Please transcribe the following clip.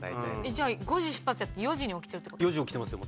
じゃあ５時出発やと４時に起きてるって事ですか？